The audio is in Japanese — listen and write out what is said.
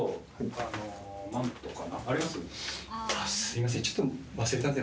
すいません。